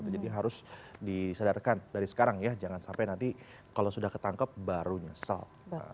jadi harus disadarkan dari sekarang ya jangan sampai nanti kalau sudah ketangkep baru nyesel